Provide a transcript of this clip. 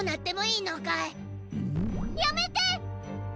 やめて！